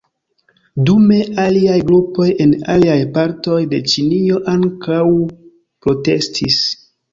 Dume aliaj grupoj en aliaj partoj de Ĉinio ankaŭ protestis.